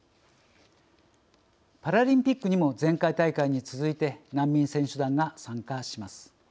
パラリンピックにも前回大会に続いて難民選手団が参加します。